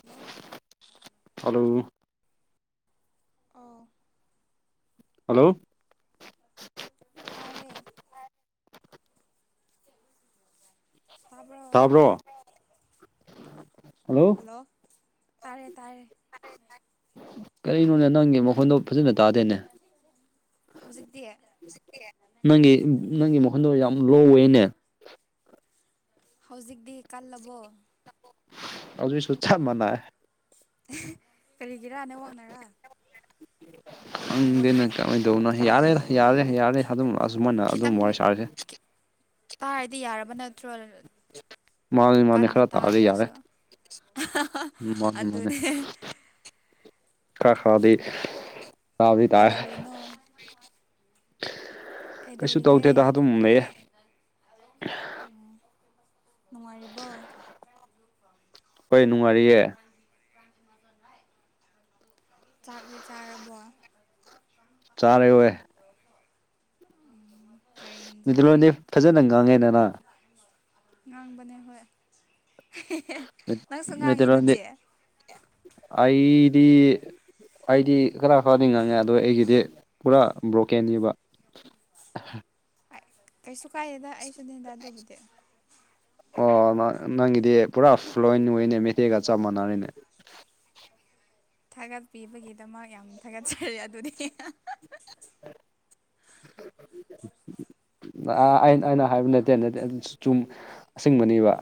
hello hello ꯑꯎ hello ꯄꯥꯏꯔꯦ ꯇꯥꯕ꯭ꯔꯣ ꯇꯥꯕ꯭ꯔꯣ ꯍꯜꯂꯣ ꯇꯥꯥꯏꯔꯦ ꯇꯥꯥꯏꯔꯦ ꯀꯔꯤꯅꯣꯅꯦ ꯅꯪꯒꯤ ꯃꯈꯣꯟꯗꯣ ꯐꯖꯅ ꯇꯥꯗꯦꯅꯦ ꯍꯧꯖꯤꯛꯇꯤ ꯅꯪꯒꯤ ꯅꯪꯒꯤ ꯃꯈꯣꯟꯗꯣ ꯌꯥꯝ ꯂꯣ ꯑꯣꯏꯋꯦꯅꯦ ꯍꯧꯖꯤꯛꯇꯤ ꯀꯜꯂꯕꯣ ꯑꯗꯨꯁꯨ ꯆꯞꯃꯥꯟꯅꯥ ꯀꯔꯤꯒꯤꯔꯥ ꯅꯦꯠꯋꯥꯛꯅꯔ ꯪꯗꯅ ꯀꯃꯥꯏꯅ ꯇꯧꯕꯅꯣ ꯌꯥꯔꯦ ꯌꯥꯔꯦ ꯌꯥꯔꯦ ꯑꯗꯨꯝ ꯑꯁꯨꯃꯥꯏꯅ ꯑꯗꯨꯝ ꯈꯤꯇꯪ ꯋꯥꯔꯤ ꯁꯥꯔꯁꯦ ꯇꯥꯔꯗꯤ ꯌꯥꯔꯕ ꯅꯠꯇ꯭ꯔꯣ ꯃꯥꯥꯟ ꯃꯥꯥꯟꯅꯦ ꯀꯟꯅ ꯈꯔ ꯇꯥꯔꯗꯤ ꯌꯥꯔꯦ ꯇꯥꯗ꯭ꯔꯁꯨ ꯎꯝ ꯃꯥꯅꯦ ꯃꯥꯅꯦ ꯑꯗꯨꯅꯦ ꯈꯔ ꯈꯥꯗꯤ ꯇꯥꯗꯤ ꯇꯥꯏ ꯀꯩꯗꯧꯔꯤꯅꯣ ꯀꯩꯁꯨ ꯀꯩꯗꯧꯔꯤꯒꯦ ꯇꯧꯗꯦꯗ ꯑꯗꯨꯝ ꯂꯩꯌꯦ ꯅꯨꯡꯉꯥꯏꯔꯤꯕꯣ ꯍꯣꯏ ꯅꯨꯡꯉꯥꯏꯔꯤꯌꯦ ꯆꯥꯛꯗꯤ ꯆꯥꯔꯕꯣ ꯆꯥꯔꯦ ꯀꯔꯤ ꯌꯦꯟꯖꯥꯡ ꯃꯤꯇꯩꯂꯣꯟꯗꯤ ꯐꯖꯟꯅ ꯉꯥꯡꯉꯦ ꯅꯦꯅꯥ ꯉꯥꯡꯕꯅꯦ ꯍꯣꯏ ꯅꯪꯁꯨ ꯉꯥꯡꯉꯤ ꯃꯩꯇꯩꯂꯣꯟꯗꯤ ꯑꯗꯨꯗꯤ ꯑꯩꯗꯤ ꯑꯩꯗꯤ ꯈꯔ ꯈꯔꯗꯤ ꯉꯪꯉꯦ ꯑꯗꯨꯗ ꯑꯩꯒꯤꯗꯤ ꯄꯨꯔꯥ ꯕ꯭ꯔꯣꯀꯦꯟꯅꯦꯕ [inaudible] ꯀꯩꯁꯨ ꯀꯥꯏꯗꯦꯗ ꯑꯩꯁꯨ ꯅꯦꯗ ꯑꯗꯨꯕꯨꯗꯤ ꯑꯣ ꯅꯪꯒꯤꯗꯤ ꯄꯨꯔꯥ ꯐ꯭ꯂꯣꯏꯟ ꯑꯣꯏꯅꯦ ꯃꯩꯇꯩꯒ ꯆꯞ ꯃꯥꯟꯅꯔꯤꯅꯦ ꯊꯥꯒꯠꯄꯤꯕꯒꯤꯗꯃꯛ ꯌꯥꯝ ꯊꯥꯒꯠꯆꯔꯤ ꯑꯗꯨꯗꯤ ꯐꯥꯒꯤ ꯑꯩꯅ ꯑꯩꯅ ꯇꯧꯕꯅꯤ ꯍꯥꯏꯕ ꯅꯠꯇꯦ ꯅꯠꯇꯦ ꯆꯨꯝ ꯑꯁꯤꯡꯕꯅꯦꯕ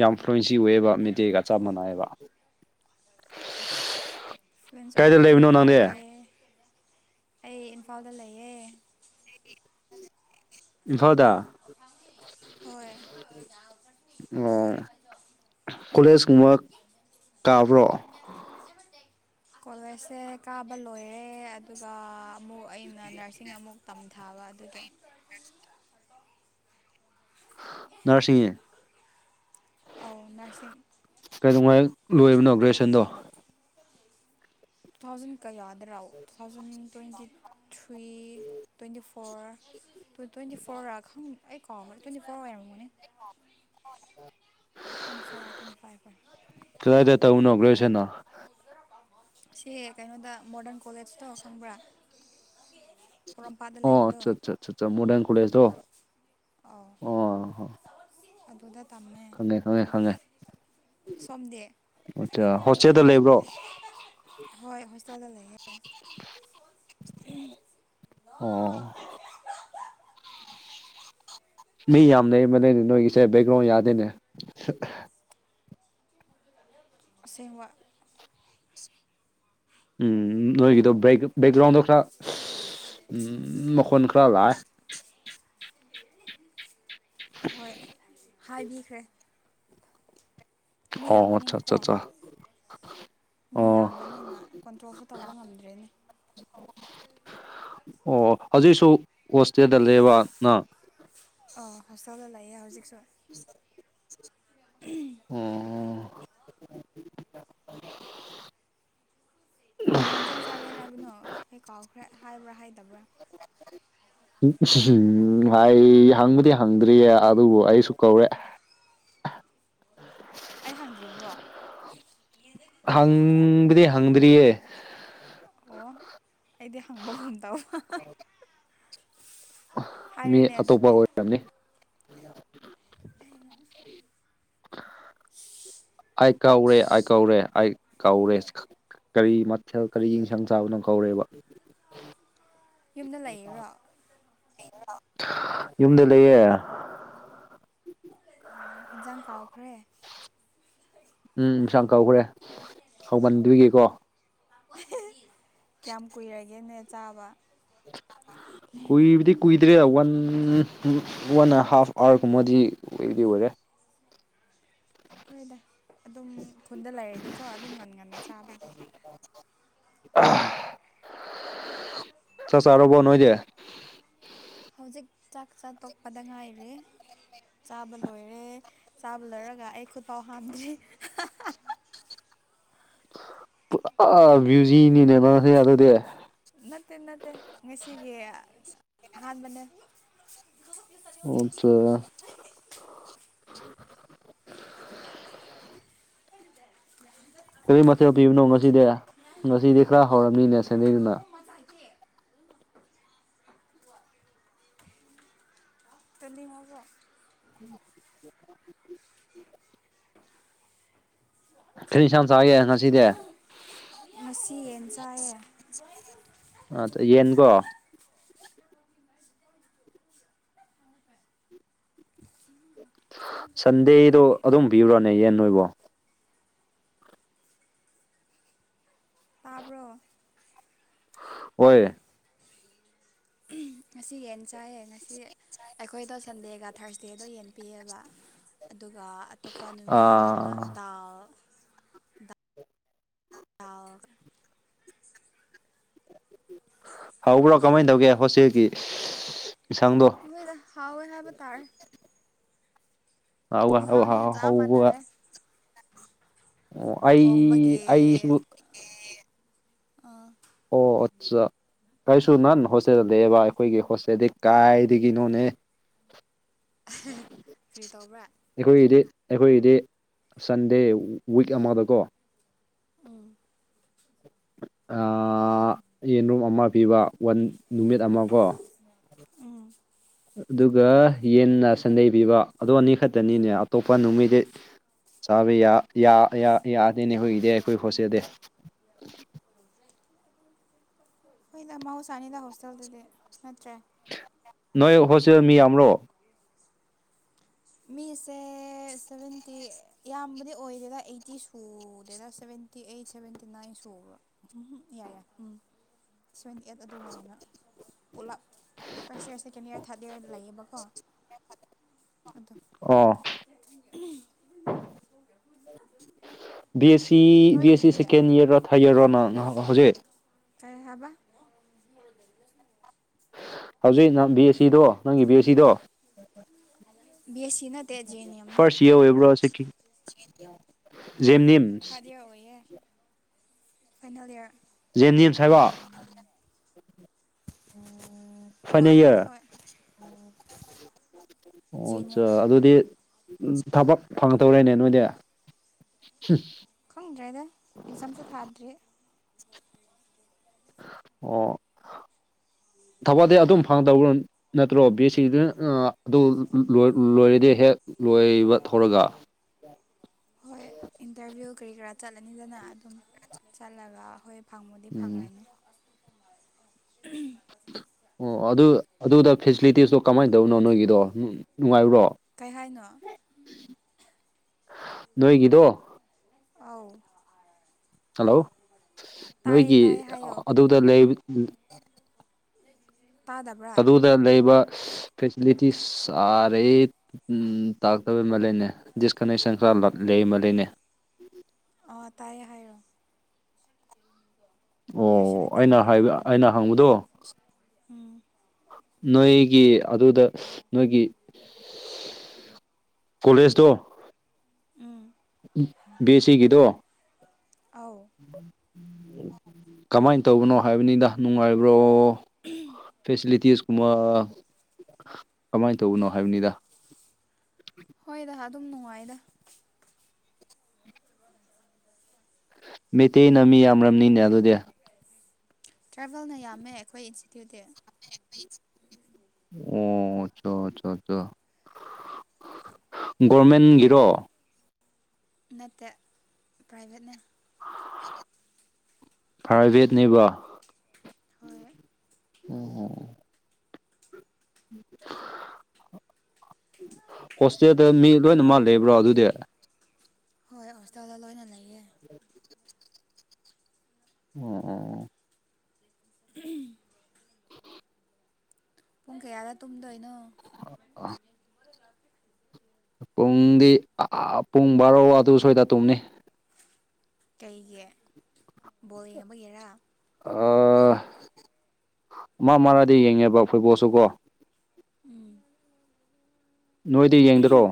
ꯌꯥꯝ ꯐ꯭ꯂꯨꯋꯟꯁꯤ ꯑꯣꯏꯋꯦꯕ ꯃꯩꯇꯩꯒ ꯆꯞ ꯃꯅꯥꯏꯑꯦꯕ ꯐ꯭ꯂꯨꯋꯟ ꯀꯥꯏꯗ ꯑꯣꯏꯔꯝꯃꯗꯤ ꯂꯩꯕꯅꯣ ꯅꯪꯗꯤ ꯐꯔꯦ ꯑꯩ ꯏꯝꯐꯥꯜꯗ ꯂꯩꯌꯦ ꯏꯝꯐꯥꯜꯗ ꯍꯣꯏ ꯀꯣꯂꯦꯖꯀꯨꯝꯕ ꯀꯥꯕ꯭ꯔꯣ ꯀꯣꯂꯦꯖꯁꯦ ꯀꯥꯕ ꯂꯣꯏꯔꯦ ꯑꯗꯨꯒ ꯑꯃꯨꯛ ꯑꯩꯅ ꯅꯔꯁꯤꯡ ꯑꯃꯨꯛ ꯇ ꯊꯥꯕ ꯑꯗꯨꯒꯤ ꯅꯔꯁꯤꯡꯅꯦ ꯑꯧ ꯅꯔꯁꯤꯡ ꯀꯩꯗꯧꯉꯥꯏ ꯂꯣꯏꯕꯅꯣ ꯒ꯭ꯔꯦꯖꯨꯌꯦꯁꯟꯗꯣ ꯇꯨ ꯊꯥꯎꯖꯟ ꯀꯌꯥꯗ꯭ꯔꯥ two thousand twenty three twenty four twenty four ꯔ ꯑꯩ ꯀꯥꯎ ꯇ꯭ꯋꯦꯟꯇꯤ ꯐꯣꯔ ꯑꯣꯏꯔꯝꯒꯅꯦ ꯐꯥꯏꯚꯔꯥ ꯀꯗꯥꯥꯏꯗ ꯇꯧꯕꯅꯣ ꯒ꯭ꯔꯦꯖꯨꯌꯦꯁꯟ ꯅ ꯁꯤ ꯀꯩꯅꯣꯗ ꯃꯣꯗꯔꯟ ꯀꯣꯂꯦꯖ ꯇꯣ ꯈꯪꯕ꯭ꯔꯥ ꯄꯣꯔꯣꯝꯄꯥꯠꯇ ꯑꯣ ꯂꯩꯕꯗꯣ ꯑꯆꯥ ꯑꯆꯥ ꯃꯣꯗꯔꯟ ꯀꯣꯂꯦꯖꯇꯣ ꯑꯧ ꯑꯣ ꯑꯗꯨꯗ ꯇꯝꯃꯦ ꯈꯪꯉꯦ ꯈꯪꯉꯦ ꯈꯪꯉꯦ ꯁꯣꯝꯗꯤ ꯑꯆꯥ ꯍꯣꯁꯇꯦꯜꯗ ꯂꯩꯕ꯭ꯔꯣ ꯍꯣꯏ ꯍꯣꯁꯇꯦꯜꯗ ꯂꯩꯌꯦꯦ ꯑꯣ ꯃꯤ ꯌꯥꯝ ꯂꯩꯕꯅꯦ ꯅꯣꯏꯒꯤꯁꯦ ꯕꯦꯛꯒ꯭ꯔꯥꯎꯟ ꯌꯥꯗꯦꯅꯦ ꯑꯁꯦꯡꯕ ꯎꯝ ꯅꯣꯏꯒꯤꯗꯣ ꯕꯦꯛ ꯕꯦꯛꯒ꯭ꯔꯥꯎꯟꯗꯣ ꯈꯔ ꯎꯝ ꯃꯈꯣꯟ ꯈ꯭ꯔ ꯂꯥꯛꯑꯦ ꯍꯣꯏ ꯍꯥꯏꯕꯤꯈ꯭ꯔꯦ ꯃꯤ ꯑꯣ ꯑꯆꯥ ꯑꯆꯥ ꯌꯥꯝꯕꯅꯤꯅꯀꯣ ꯑꯆꯥ ꯃꯤ ꯌꯥꯝꯕꯅꯤꯅ ꯀꯣꯟꯇ꯭ꯔꯣꯜꯁꯨ ꯇꯧꯕ ꯉꯝꯗ꯭ꯔꯦꯅꯦ ꯑꯣ ꯍꯧꯖꯤꯛꯁꯨ ꯍꯣꯁꯇꯦꯜꯗ ꯂꯩꯑꯕ ꯅꯪ ꯑ ꯍꯣꯁꯇꯦꯜꯗ ꯂꯌꯦ ꯍꯧꯖꯤꯛꯁꯨ ꯎꯝ ꯎꯝ ꯀꯔꯤ ꯍꯤꯟꯖꯥꯡ ꯆꯥꯔꯦ ꯍꯥꯏꯕꯅꯣ ꯑꯩ ꯀꯥꯎꯈ꯭ꯔꯦ ꯍꯥꯏꯕ꯭ꯔꯥ ꯍꯥꯏꯗꯕ꯭ꯔꯥ ꯍꯥꯏ ꯍꯪꯕꯨꯗꯤ ꯍꯪꯗ꯭ꯔꯤꯌꯦ ꯑꯗꯨꯕꯨ ꯑꯩꯁꯨ ꯀꯧꯔꯦ ꯑꯩ ꯍꯪꯗ꯭ꯔꯤꯕ꯭ꯔꯣ ꯍꯪꯗꯔꯤ ꯍꯪꯗ꯭ꯔꯤꯌꯦ ꯑꯣ ꯑꯩꯗꯤ ꯍꯪꯕꯒꯨꯝ ꯇꯧꯕ ꯃꯤ ꯍꯥꯏꯔꯣꯅꯦ ꯑꯇꯣꯞꯄ ꯑꯗꯨꯗꯤ ꯑꯣꯏꯔꯝꯅꯤ [inaudible] ꯑꯩ ꯀꯥꯎꯔꯦ ꯑꯩ ꯀꯥꯎꯔꯦ ꯑꯩ ꯀꯥꯎꯔꯦ ꯀꯔꯤ ꯃꯊꯦꯜ ꯀꯔꯤ ꯌꯦꯟꯁꯥꯡ ꯆꯥꯕꯅꯣ ꯀꯧꯔꯦꯕ ꯌꯨꯝꯗ ꯂꯩꯌꯦꯔꯣ ꯌꯨꯝꯗ ꯂꯩꯌꯦ ꯏꯟꯁꯥꯡ ꯀꯥꯎꯈ꯭ꯔꯦ ꯎꯝ ꯏꯟꯁꯥꯡ ꯀꯧꯈ꯭ꯔꯦ ꯍꯥꯎꯃꯟꯗꯨꯒꯤꯀꯣ ꯀꯌꯥꯝ ꯀꯨꯏꯔꯒꯦꯅꯦ ꯆꯥꯕ ꯀꯨꯏꯕꯗꯤ ꯀꯨꯏꯗ꯭ꯔꯦ ꯋꯥꯟ ꯋꯥꯟꯅ ꯍꯥꯐ ꯑꯋꯥꯔ ꯀꯨꯝ ꯃꯗꯤ ꯎꯗꯤ ꯑꯣꯏꯔꯦ ꯍꯣꯏꯗ ꯑꯗꯨꯝ ꯈꯨꯟꯗ ꯂꯩꯔꯗꯤꯀꯣ ꯑꯗꯨꯝ ꯉꯟ ꯉꯟꯅ ꯆꯥꯕꯒꯤ ꯆꯆꯥꯔꯕꯣ ꯅꯣꯏꯗꯤ ꯍꯧꯖꯤꯛ ꯆꯥꯛ ꯆꯥ ꯇꯣꯛꯄꯗ ꯉꯥꯏꯔꯤ ꯆꯥꯕ ꯂꯣꯏꯔꯦ ꯆꯥꯕ ꯂꯣꯏꯔꯒ ꯑꯩ ꯈꯨꯠꯐꯥꯎ ꯍꯥꯝꯗꯔ꯭ꯤ ꯄꯨꯔꯥ ꯕꯤꯖꯤꯅꯤꯅꯦ ꯅꯪꯁꯦ ꯑꯗꯨꯗꯤ ꯅꯠꯇꯦ ꯅꯠꯇꯦ ꯉꯁꯤꯒꯤ ꯑꯍꯥꯟꯕꯅꯦ [unintelligible] ꯀꯔꯤ ꯃꯊꯦꯜ ꯄꯤꯕꯅꯣ ꯉꯁꯤꯗꯤ ꯉꯁꯤꯗꯤ ꯈꯔ ꯍꯧꯔꯝꯅꯤꯅꯦ ꯁꯟꯗꯦꯅꯤꯅ [inaudible] [unintelligible] [unintelligible] ꯀꯔꯤ ꯌꯦꯟꯁꯥꯡ ꯆꯥꯒꯦ ꯉꯁꯤꯗꯤ ꯉꯁꯤ ꯌꯦꯟ ꯆꯥꯏꯌꯦ [unintelligible] ꯁꯟꯗꯦꯗꯣ ꯑꯗꯨꯝ ꯄꯤꯕ꯭ꯔꯣꯅꯦ ꯌꯦꯟ ꯅꯣꯏꯕꯣ ꯇꯥꯕ꯭ꯔꯣ ꯍꯣꯏ ꯉꯁꯤ ꯌꯦꯟ ꯆꯥꯏꯌꯦ ꯉꯁꯤ ꯑꯩꯈꯣꯏꯗꯣ ꯁꯟꯗꯦꯒ ꯊꯥꯔꯁꯗꯦꯗꯣ ꯌꯦꯟ ꯄꯤꯌꯦꯕ ꯑꯗꯨꯒ ꯑꯇꯣꯞꯄ ꯅꯨꯃꯤꯠꯗꯅ ꯑꯥ ꯗꯥꯜ ꯗꯥꯜ ꯍꯥꯎꯕ꯭ꯔꯣ ꯀꯃꯥꯏꯅ ꯇꯧꯒꯦ ꯍꯣꯁꯇꯦꯜꯒꯤ ꯏꯟꯁꯥꯡꯗꯣ ꯍꯣꯏꯗ ꯍꯥꯎꯋꯦ ꯍꯥꯏꯕ ꯇꯥꯔ ꯆꯞ ꯃꯥꯟꯅꯔꯦ [unintelligible] ꯑꯣ ꯑꯩ ꯊꯣꯡꯕꯒꯤ ꯑꯩꯁꯨ ꯑꯥ ꯑꯣ ꯑꯠꯆꯥ ꯀꯔꯤꯁꯨ ꯅꯍꯥꯟ ꯍꯣꯁꯇꯦꯜ ꯂꯩꯌꯦꯕ ꯑꯩꯈꯣꯏꯒꯤ ꯍꯣꯁꯇꯦꯜꯗꯤ ꯀꯥꯏꯗꯒꯤꯅꯣꯅꯦ ꯀ꯭ꯔꯤ ꯇꯧꯕ꯭ꯔꯥ ꯑꯩꯈꯣꯏꯒꯤꯗꯤ ꯑꯩꯈꯣꯏꯒꯤꯗꯤ ꯁꯟꯗꯦ ꯋꯤꯛ ꯑꯃꯗꯀꯣ ꯑꯥ ꯌꯦꯟꯔꯨꯝ ꯑꯃ ꯄꯤꯕ ꯋꯥꯟ ꯅꯨꯃꯤꯠ ꯑꯃꯀꯣ ꯎꯝ ꯑꯗꯨꯒ ꯌꯦꯟꯅ ꯁꯟꯗꯦ ꯄꯤꯕ ꯑꯗꯨ ꯑꯅꯤ ꯈꯛꯇꯅꯤꯅꯦ ꯑꯇꯣꯞꯄ ꯅꯨꯃꯤꯗꯤ ꯆꯥꯕ ꯌꯥ ꯌꯥ ꯌꯥ ꯌꯥꯗꯦꯅꯦ ꯑꯩꯈꯣꯏꯒꯤꯗꯤ ꯑꯩꯈꯣꯏ ꯍꯣꯁꯇꯦꯜ ꯗꯤ [inaudible] ꯍꯣꯏꯗ ꯃꯍꯧꯁꯥꯅꯤꯗ ꯍꯣꯁꯇꯦꯜꯗꯗꯤ ꯅꯠꯇ꯭ꯔꯦ ꯅꯣꯏ ꯍꯣꯁꯦꯜ ꯃꯤ ꯌꯥꯝꯕ꯭ꯔꯣ ꯃꯤꯁꯦ ꯁꯚꯦꯟꯇꯤ ꯌꯥꯝꯕꯗꯤ ꯑꯣꯏꯗꯦꯗ ꯑꯩꯠꯇꯤ ꯁꯨꯗꯦꯔ ꯁꯦꯟꯇ ꯁꯦꯟꯇꯤ ꯑꯩꯠ ꯁꯚꯦꯟꯇꯤ ꯅꯥꯏꯟ ꯁꯨꯕ꯭ꯔꯣ ꯎꯝꯝ ꯌꯥꯏ ꯌꯥꯏ ꯎꯝ ꯁꯚꯦꯟꯇꯤ ꯑꯩꯠ ꯑꯗꯨꯃꯥꯏꯅ ꯄꯨꯂꯞ first year second year third year ꯂꯩꯌꯦꯕꯀꯣ ꯑꯗꯣ ꯑꯣ B S C S C ꯅꯣꯏꯒꯤꯗꯤ ꯁꯦꯀꯦꯟ ꯏꯌꯔꯣ ꯊꯥꯔꯗꯌꯥꯔ ꯅꯪ ꯍꯧꯖꯤꯛ ꯀꯔꯤ ꯍꯥꯏꯕ ꯍꯧꯖꯤꯛ ꯅꯪ ꯕꯤ ꯑꯦꯁ ꯁꯤꯗꯣ ꯅꯪꯒꯤ ꯕꯤ ꯑꯦꯁ ꯁꯤꯗꯣ ꯕꯤ ꯑꯦꯁ ꯁꯤ ꯅꯠꯇꯦ ꯖꯦ ꯑꯦꯟ ꯑꯦꯝꯅꯦ ꯐꯥꯔꯁ ꯌꯔ ꯑꯣꯏꯕ꯭ꯔꯣ ꯁꯦꯀꯦꯟ ꯖꯦꯝꯅꯤꯝꯁ ꯊꯥꯗꯤꯦ ꯑꯣꯏꯌꯦ ꯐꯥꯅꯦꯟ ꯋꯥꯔ ꯖꯦꯅꯤꯝꯁ ꯍꯥꯏꯕꯣ ꯎꯝ ꯍꯣꯏ ꯐꯥꯏꯅꯦꯜ ꯍꯣꯏ ꯏꯌꯥꯔ ꯍꯣꯏ ꯎꯝ ꯑꯣ ꯑꯠꯆꯥ ꯑꯗꯨꯗꯤ ꯊꯕꯛ ꯐꯪꯉꯛꯇꯧꯔꯦꯅꯦ ꯅꯣꯏꯗꯤ ꯈꯪꯗ꯭ꯔꯦꯗ ꯑꯦꯛꯖꯥꯝꯁꯨ ꯊꯥꯗ꯭ꯔꯤ ꯑꯣ ꯊꯧꯕꯥꯜꯗꯩ ꯑꯗꯨꯝ ꯐꯪꯗꯧ ꯅꯠꯇ꯭ꯔꯣ ꯕꯤ ꯑꯦ ꯁꯤꯗꯨꯅ ꯑꯗꯨ ꯂꯣꯏ ꯂꯣꯏꯔꯗꯤ ꯍꯦꯛ ꯂꯣꯏꯕ ꯊꯧꯔꯒ ꯍꯣꯏ ꯏꯟꯇꯔꯚꯤꯌꯨ ꯀꯔꯤ ꯀꯔꯥ ꯆꯠꯂꯅꯤꯗꯅ ꯑꯗꯨꯝ ꯆꯠꯂꯒ ꯑꯩꯈꯣꯏ ꯐꯪꯕꯨꯗꯤ ꯎꯝ ꯐꯪꯉꯅꯤ ꯑꯣ ꯑꯗꯨ ꯑꯗꯨꯗ ꯐꯦꯁꯤꯂꯤꯇꯤꯁꯇꯣ ꯀꯃꯥꯏꯅ ꯇꯧꯕꯅꯣ ꯅꯣꯏꯒꯤꯗꯣ ꯅꯨꯡꯉꯥꯏꯕ꯭ꯔꯣ ꯀꯩ ꯍꯥꯏꯅꯣ ꯅꯣꯏꯒꯤꯗꯣ ꯑꯥꯎ ꯍꯜꯂꯣ ꯅꯣꯏꯒꯤ ꯇꯥꯏꯌꯦ ꯍꯥꯏꯌꯣ ꯑꯗꯨꯗ ꯇꯥꯗꯕ꯭ꯔꯥ ꯑꯗꯨꯗ ꯂꯩꯕ [inaudible] ꯐꯦꯁꯤꯂꯤꯇꯤꯁ ꯑꯔꯦ ꯇꯥꯇꯕ ꯃꯥꯜ ꯂꯦꯅꯦ ꯗꯤꯁꯀꯅꯦꯛꯁꯟ ꯈꯔ ꯃ ꯂꯩꯅꯦ ꯑꯥ ꯇꯥꯏꯌꯦ ꯍꯥꯏꯔꯣ ꯑꯣ ꯐꯦꯁꯤꯂꯤꯇꯤ ꯑꯩꯅ ꯀꯔꯤ ꯍꯥꯏꯕ ꯇꯧꯋꯦꯕ ꯑꯩꯅ ꯍꯪꯕꯗꯣ ꯎꯝ ꯅꯣꯏ ꯒꯤ ꯑꯗꯨꯗ ꯅꯣꯏꯒꯤ ꯀꯣꯂꯦꯖꯇꯣ ꯎꯝ ꯎ ꯕꯦ ꯑꯦ ꯁꯤꯒꯤꯗꯣ ꯑꯧ ꯀꯃꯥꯏꯅ ꯇꯧꯕꯅꯣ ꯍꯥꯏꯕꯅꯤꯗ ꯅꯨꯡꯉꯥꯏꯕ꯭ꯔꯣ ꯐꯦꯁꯤꯂꯤꯇꯤꯁ ꯃ ꯀꯃꯥꯏꯅ ꯇꯧꯕꯅꯣ ꯍꯥꯏꯕꯅꯤꯗ ꯍꯣꯏꯗ ꯑꯗꯨꯝ ꯅꯨꯡꯉꯥꯏꯗ ꯃꯩꯇꯩꯩꯅ ꯃꯤ ꯌꯥꯝꯔꯝꯅꯤꯅꯦ ꯑꯗꯨꯗꯤ ꯇ꯭ꯔꯥꯚꯦꯜꯅ ꯌꯥꯝꯃꯦ ꯑꯩꯈꯣꯏ ꯏꯟꯁꯇꯤꯇ꯭ꯌꯨꯠꯇꯤ ꯑꯣ ꯆꯆꯥ ꯆ ꯒꯣꯔꯃꯦꯟꯒꯤꯔꯣ ꯅꯠꯇꯦ ꯄ꯭ꯔꯥꯏꯚꯦꯠꯅꯦ ꯄ꯭ꯔꯥꯏꯚꯦꯠꯅꯦꯕ ꯍꯣꯏ ꯑꯣ [inaudible] ꯍꯣꯁꯇꯦꯜꯗ ꯃꯤ ꯂꯣꯏꯅꯃꯛ ꯂꯩꯕ꯭ꯔꯣ ꯑꯗꯨꯗꯤ ꯍꯣꯏ ꯍꯣꯁꯇꯦꯜꯗ ꯂꯣꯏꯅ ꯂꯩꯌꯦ ꯑꯣ ꯑꯣ [inaudible] ꯄꯨꯡ ꯀꯌꯥꯗ ꯇꯨꯝꯗꯣꯏꯅꯣ ꯑ ꯄꯨꯡꯗꯤ ꯑ ꯄꯨꯡ ꯕꯥꯔꯣ ꯑꯗꯨ ꯁ꯭ꯣꯏꯗ ꯇꯨꯝꯅꯤ ꯀꯩꯒꯤ ꯕꯣꯜ ꯌꯦꯡꯕꯒꯦꯔꯥ ꯑ ꯃꯥ ꯃꯥꯗꯤ ꯌꯦꯡꯉꯦꯕ ꯐꯨꯠꯕꯣꯜꯁꯨꯀꯣ ꯎꯝ ꯅꯣꯏꯗꯤ ꯌꯦꯡꯗ꯭ꯔꯣ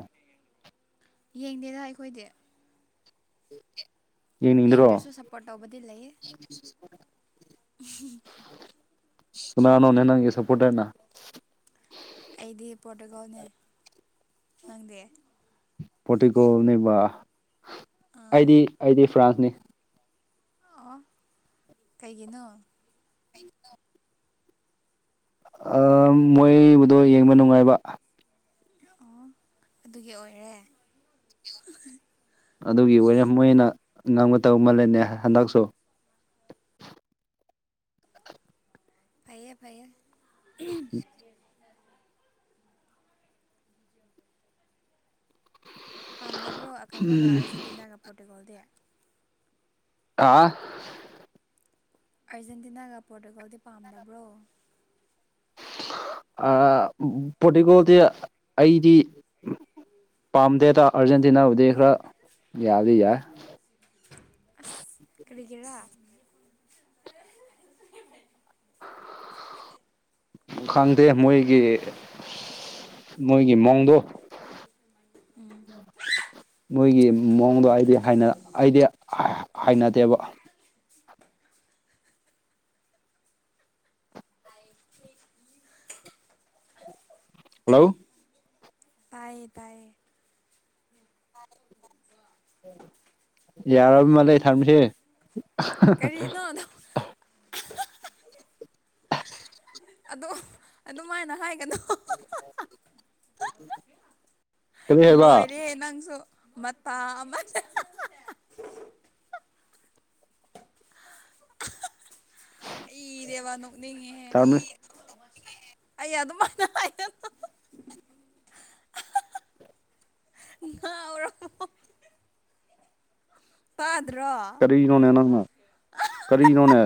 ꯌꯦꯡꯗꯦꯗ ꯑꯩꯈꯣꯏꯗꯤ [inaudible] ꯌꯦꯡꯗ꯭ꯔꯁꯨ ꯌꯦꯡꯅꯤꯡꯗ꯭ꯔꯣ ꯁꯞꯄꯣꯔꯠ ꯇꯧꯕꯗꯤ ꯂꯩꯌꯦ ꯎꯝꯍꯨꯝ ꯁꯀꯥꯅꯅꯣꯅꯦ ꯅꯪꯒꯤ ꯁꯄꯣꯔꯇ꯭ꯔꯅ ꯑꯩꯗꯤ ꯄꯣꯔꯇꯨꯒꯣꯜꯅꯦ ꯅꯪꯗꯤ ꯄꯣꯔꯇꯨꯒꯣꯜꯅꯦꯕ ꯑꯣ ꯑꯩꯗꯤ ꯑꯩꯗꯤ ꯐ꯭ꯔꯥꯟꯁꯅꯤ ꯑꯣ ꯀꯩꯒꯤꯅꯣ [unintelligible] ꯑ ꯃꯣꯏꯕꯨꯗꯣ ꯌꯦꯡꯕ ꯅꯨꯡꯉꯥꯏꯕ ꯑꯣ ꯑꯗꯨꯒꯤ ꯑꯣꯏꯔꯦ ꯑꯗꯨꯒꯤ ꯑꯣꯔꯦ ꯃꯣꯏꯅ ꯉꯝꯒꯗꯕ ꯃꯜꯂꯦꯅꯦ ꯍꯟꯗꯛꯁꯨ ꯐꯌꯦ ꯐꯩꯌꯦ ꯄꯥꯝꯗꯕ꯭ꯔꯣ ꯀꯩꯅꯣꯒ ꯑꯥꯔꯖꯦꯟꯇꯤꯅꯥꯒ ꯄꯣꯔꯇꯨꯒꯣꯜꯗꯤ ꯑꯥ ꯑꯥꯔꯖꯦꯟꯇꯤꯅꯥꯒ ꯄꯣꯔꯇꯨꯒꯜꯗꯤ ꯄꯥꯝꯗꯕ꯭ꯔꯣ ꯑ ꯄꯣꯔꯇꯤꯒꯣꯜꯗꯤ ꯑꯩꯗꯤ ꯄꯥꯝꯗꯦꯗ ꯑꯥꯔꯖꯦꯟꯇꯤꯅꯥꯕꯨꯗꯤ ꯈꯔ ꯌꯥꯗꯤ ꯌꯥꯏ ꯑꯁ ꯀꯔꯤꯒꯤꯔꯥ ꯈꯪꯗꯦ ꯃꯣꯏꯒꯤ ꯏꯁ ꯃꯣꯏꯒꯤ ꯃꯑꯣꯡꯗꯣ ꯃꯣꯏꯒꯤ ꯃꯑꯣꯡꯗꯣ ꯍꯥꯏꯗꯤ ꯍꯥꯏ ꯑꯩꯗꯤ ꯍꯥꯏꯅꯗꯦꯕ ꯍꯜꯂꯣ ꯇꯥꯏꯌꯦ ꯇꯥꯏꯌꯦ ꯌꯥꯔꯃꯂꯦ ꯊꯝꯁꯦ ꯀꯔꯤꯅꯣ ꯑꯍ ꯑꯗꯣ ꯑꯗꯨꯃꯥꯏꯅ ꯍꯥꯏꯒꯅꯣ ꯑꯍꯥꯍꯥꯍꯥ ꯀꯔꯤ ꯍꯥꯏꯕ ꯂꯣꯏꯔꯦ ꯅꯪꯁꯨ ꯃꯥꯇ ꯑꯃ ꯑꯩꯗꯦꯕꯥ ꯅꯣꯛꯅꯤꯡꯉꯦꯍꯦ ꯊꯝꯃꯦ ꯑꯩ ꯑꯗꯨꯃꯏꯅ ꯍꯥꯏꯒꯅꯣ ꯉꯎꯔꯕꯣ ꯇꯠ ꯀꯔꯤꯅꯣꯅꯦ ꯅꯪꯅ ꯀꯔꯤ ꯅꯣꯅꯦ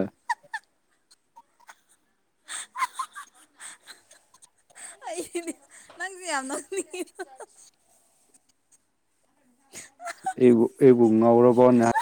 ꯑꯩꯗꯤꯅꯦ ꯅꯪꯁꯦ ꯌꯥꯝ ꯅꯣꯛꯅꯤꯡꯉꯤꯗ ꯑꯩ ꯕꯨ ꯑꯩꯕꯨ ꯉꯎꯔꯕꯣ ꯅꯦ